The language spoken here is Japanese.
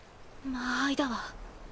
間合いだわ。